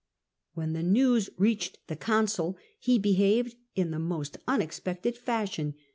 When the news reached the consul he behaved in the most unexpected fashion.